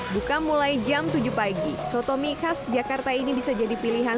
buka mulai jam tujuh pagi soto mie khas jakarta ini bisa jadi pilihan